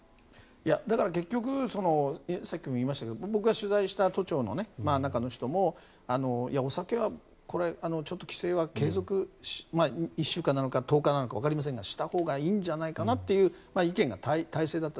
だから結局さっきも言いましたけど僕が取材した都庁の中の人もいや、お酒はちょっと規制は１週間なのか１０日なのか継続したほうがしたほうがいいんじゃないかなっていう意見が大勢だった。